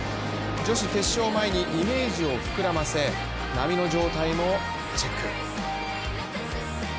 女子決勝を前にイメージを膨らませ波の状態もチェック。